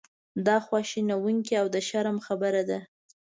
دا خواشینونکې او د شرم خبره ده.